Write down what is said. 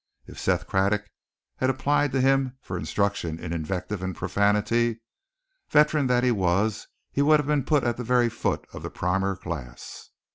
If Seth Craddock had applied to him for instruction in invective and profanity, veteran that he was he would have been put at the very foot of the primer class.